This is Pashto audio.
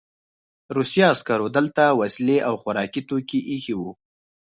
روسي عسکرو دلته وسلې او خوراکي توکي ایښي وو